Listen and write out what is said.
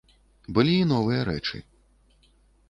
Былі і новыя рэчы.